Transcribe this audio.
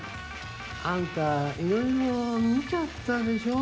あんたいろいろ見ちゃったでしょ？